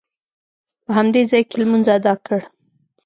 په همدې ځاې کې لمونځ ادا کړ.